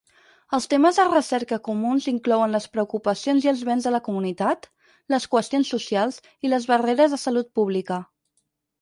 Els temes de recerca comuns inclouen les preocupacions i els béns de la comunitat, les qüestions socials i les barreres de salut pública.